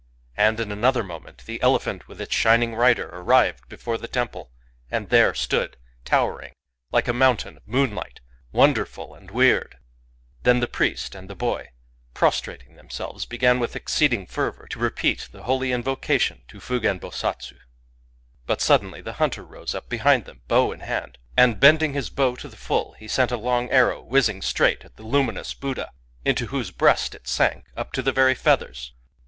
And, in another moment, the elephant with its shining rider arrived before the temple, and there stood towering, like a mountain of moonlight, — wonderful and weird. Then the priest and the boy, prostrating them selves, began with exceeding fervour to repeat the holy invocation to Fugen Bosatsu. But suddenly the hunter rose up behind them, bow in hand ; and, bending his bow to the full, he sent a long arrow whizzing straight at the luminous Buddha, into whose breast it sank up to the very feathers.